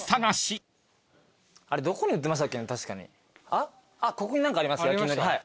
あっここに何かあります焼のり。